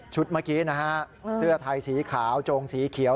เมื่อกี้นะฮะเสื้อไทยสีขาวโจงสีเขียว